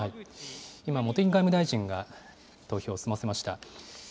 今、茂木外務大臣が投票を済ませました。